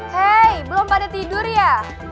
hei belum pada tidur ya